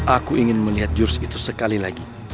aku ingin melihat jurus itu sekali lagi